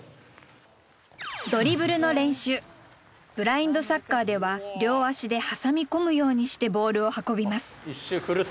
ブラインドサッカーでは両足で挟み込むようにしてボールを運びます。